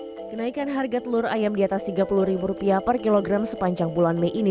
hai kenaikan harga telur ayam di atas tiga puluh rupiah per kilogram sepanjang bulan mei ini